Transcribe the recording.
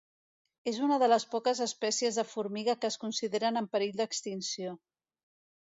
És una de les poques espècies de formiga que es consideren en perill d'extinció.